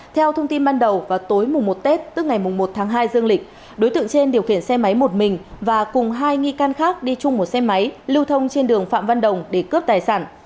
theo thông tin ban đầu vào tối mùa một tết tức ngày một tháng hai dương lịch đối tượng trên điều khiển xe máy một mình và cùng hai nghi can khác đi chung một xe máy lưu thông trên đường phạm văn đồng để cướp tài sản